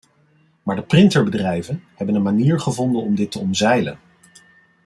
Maar de printerbedrijven hebben een manier gevonden om dit te omzeilen.